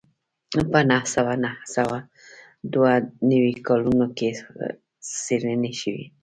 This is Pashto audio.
په نهه سوه نهه سوه دوه نوي کلونو کې څېړنې شوې